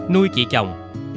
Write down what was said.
nuôi chị chồng